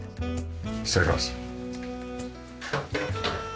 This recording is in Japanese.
失礼します。